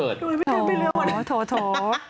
ที่เคยให้ไปจริงจักร